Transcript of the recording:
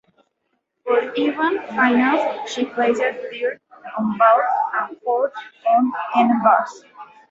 For event finals she placed third on vault and fourth on uneven bars.